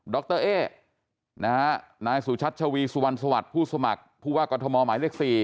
รเอ๊นายสุชัชวีสุวรรณสวัสดิ์ผู้สมัครผู้ว่ากรทมหมายเลข๔